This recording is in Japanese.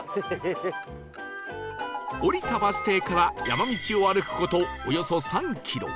降りたバス停から山道を歩く事およそ３キロ